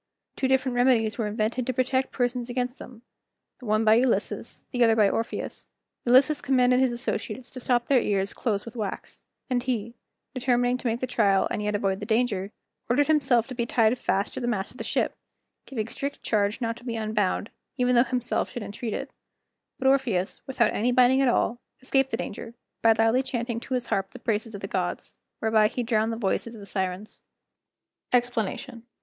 Two different remedies were invented to protect persons against them, the one by Ulysses, the other by Orpheus. Ulysses commanded his associates to stop their ears close with wax; and he, determining to make the trial, and yet avoid the danger, ordered himself to be tied fast to a mast of the ship, giving strict charge not to be unbound, even though himself should entreat it; but Orpheus, without any binding at all, escaped the danger, by loudly chanting to his harp the praises of the gods, whereby he drowned the voices of the Sirens. EXPLANATION.